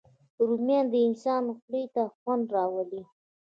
رومیان د انسان خولې ته خوند راولي